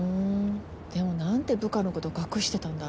でも何で部下のこと隠してたんだろ。